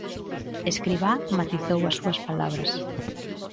Escrivá matizou as súas palabras.